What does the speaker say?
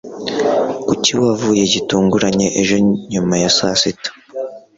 kuki wavuye gitunguranye ejo nyuma ya saa sita